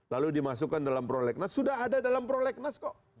lalu dimasukkan dalam prolegnas sudah ada dalam prolegnas kok